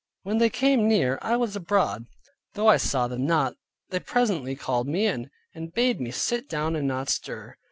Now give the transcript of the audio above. When they came near, I was abroad. Though I saw them not, they presently called me in, and bade me sit down and not stir.